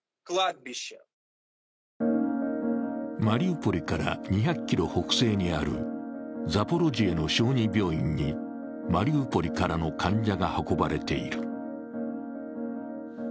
マリウポリから２００ｋｍ北西にあるザポロジエの小児病院にマリウポリからの患者が運ばれている。